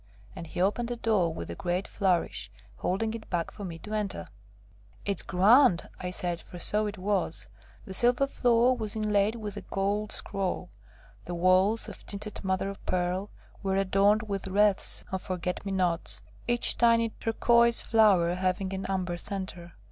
And he opened a door with a great flourish, holding it back for me to enter. "It's grand!" I said, for so it was. The silver floor was inlaid with a gold scroll; the walls, of tinted mother o' pearl, were adorned with wreaths of forget me nots, each tiny turquoise flower having an amber centre.